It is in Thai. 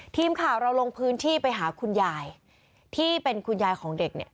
ทีมข่าวเราลงพื้นที่ไปหาคุณยายที่เป็นคุณยายของเด็กเนี่ย